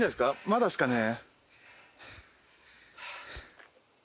まだですかね？